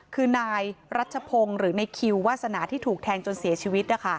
คือนายรัชพงศ์หรือในคิววาสนาที่ถูกแทงจนเสียชีวิต